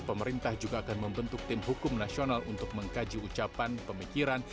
pemerintah juga akan membentuk tim hukum nasional untuk mengkaji ucapan pemikiran